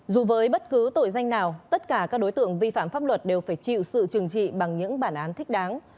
dù với bất cứ tội danh nào tất cả các đối tượng vi phạm pháp luật đều phải chịu sự trừng trị bằng những bản án thích đáng